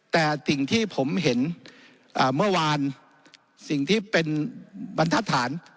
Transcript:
แต่สิ่งที่ผมเห็นเมื่อวานสิ่งที่เป็นบรรทัศน